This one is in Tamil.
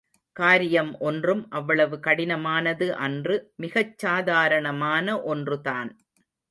காரியம் ஒன்றும் அவ்வளவு கடினமானது அன்று மிகச் சாதாரணமான ஒன்றுதான்.